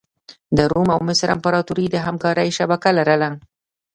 د روم او مصر امپراتوري د همکارۍ شبکه لرله.